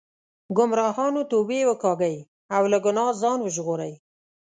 ګمراهانو توبې وکاږئ او له ګناه ځان وژغورئ.